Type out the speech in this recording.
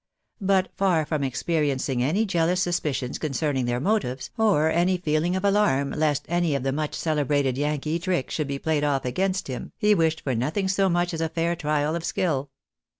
But far from experiencing any jealous suspicions concerning their motives, or any feeling of alarm lest any of the much celebrated Yankee tricks should be played off against him, he wished for nothing so much as a fair trial of skill.